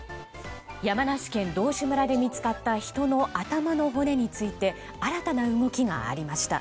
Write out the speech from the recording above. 山梨県道志村で見つかった人の頭の骨について新たな動きがありました。